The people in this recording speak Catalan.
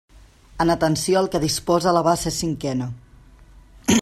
En atenció al que disposa la base cinquena.